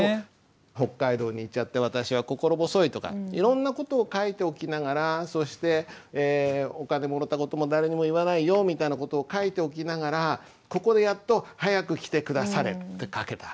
「北海道に行っちゃって私は心細い」とかいろんな事を書いておきながらそして「お金もろた事も誰にも言わないよ」みたいな事を書いておきながらここでやっと「はやくきてくだされ」って書けた訳。